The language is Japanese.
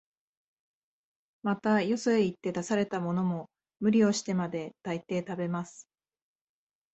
また、よそへ行って出されたものも、無理をしてまで、大抵食べます